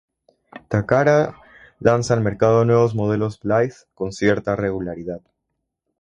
Takara lanza al mercado nuevos modelos Blythe con cierta regularidad.